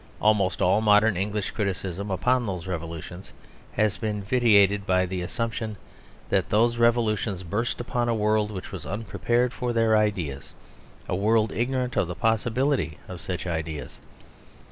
Almost all modern English criticism upon those revolutions has been vitiated by the assumption that those revolutions burst upon a world which was unprepared for their ideas a world ignorant of the possibility of such ideas.